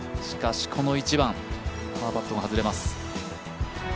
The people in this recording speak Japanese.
しかしこの１番パーパットが外れます。